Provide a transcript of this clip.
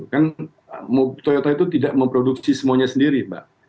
kan toyota itu tidak memproduksi semuanya sendiri mbak